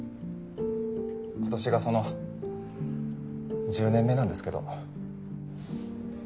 今年がその１０年目なんですけど。